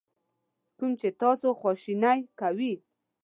کوم چې تاسو خواشینی کوي.